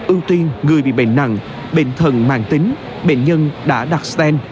ưu tiên người bị bệnh nặng bệnh thần mạng tính bệnh nhân đã đặt sten